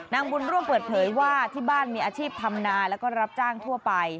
นางบุญร่วมเปิดเผยว่าที่บ้านมีอาชีพทำนาแล้วก็รับจ้างทั่วไป